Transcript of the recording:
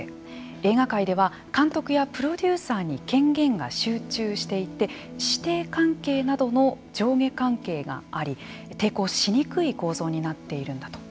映画界では監督やプロデューサーに権限が集中していて師弟関係などの上下関係があり抵抗しにくい構造になっているんだと。